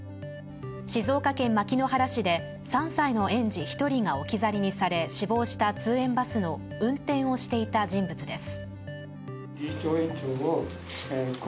静岡県牧之原市で３歳の園児１人が置き去りにされ、死亡した通園バスの運転をしていた人物です。